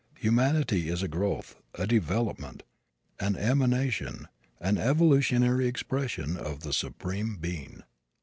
Humanity is a growth, a development, an emanation, an evolutionary expression of the Supreme Being.